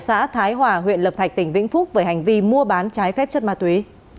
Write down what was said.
đặng thị thùy đã thái hỏa huyện lập thạch tỉnh vĩnh phúc với hành vi mua bán trái phép chất ma túy